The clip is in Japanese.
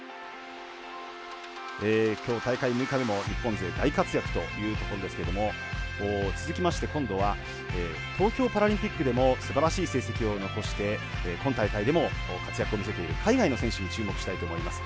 きょう、大会６日目も日本勢、大活躍というところですけれども続きまして、今度は東京パラリンピックでもすばらしい成績を残して今大会でも活躍を見せている海外の選手に注目したいと思います。